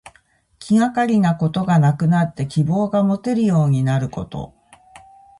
気がかりなことがなくなって希望がもてるようになること。